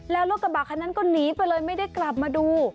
แล้วรถกระบะคันนั้นก็หนีไปเลยไม่ได้กลับมาดู